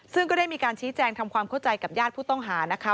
ซึ่งก็ได้มีการชี้แจงทำความเข้าใจกับญาติผู้ต้องหานะคะ